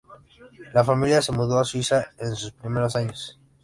La familia se mudó a Suiza en sus primeros años.